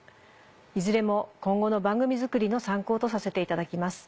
いずれも今後の番組づくりの参考とさせていただきます。